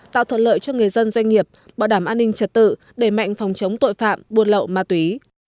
tạo thuận lợi cho người dân doanh nghiệp bảo đảm an ninh trật tự đẩy mạnh phòng chống tội phạm buôn lậu ma túy